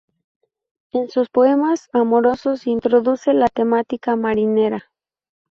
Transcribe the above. En sus poemas amorosos introduce la temática marinera.